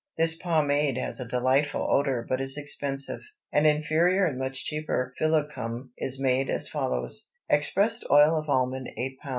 This pomade has a delightful odor but is expensive; an inferior and much cheaper philocome is made as follows: Expressed oil of almond 8 lb.